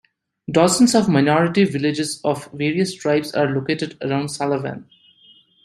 Dozens of minority villages of various tribes are located around Salavan.